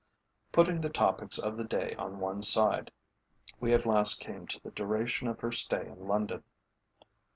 Putting the topics of the day on one side, we at last came to the duration of her stay in London.